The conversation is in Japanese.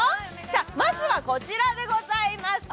まずはこちらでございます。